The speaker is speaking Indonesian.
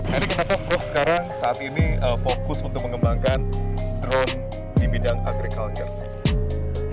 jadi kenapa probe sekarang saat ini fokus untuk mengembangkan drone di bidang agriculture